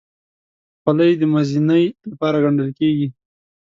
خولۍ د مزینۍ لپاره ګنډل کېږي.